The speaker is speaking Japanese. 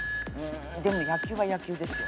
でも野球は野球ですよね。